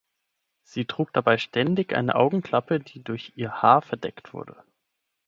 Sie trug dabei ständig eine Augenklappe, die durch ihr Haar verdeckt wurde.